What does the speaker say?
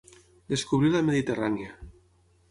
Descobrir la Mediterrània.